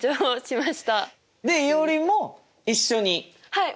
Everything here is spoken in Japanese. はい。